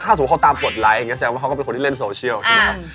ถ้าสมมติเขาตามกดไลค์เนี่ยแสดงว่าเขาเป็นคนที่เล่นโซเชียลใช่มั้ยครับ